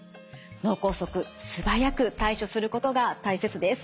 脳梗塞素早く対処することが大切です。